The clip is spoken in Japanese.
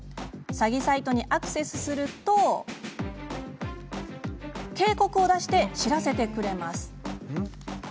詐欺サイトにアクセスすると警告を出して知らせてくれます。